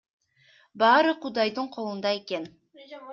Баары Кудайдын колунда экен.